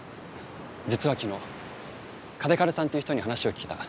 実は昨日嘉手刈さんという人に話を聞いた。